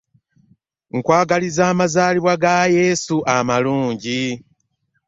Nkwagaliza amaazalibwa gayesu amalungi .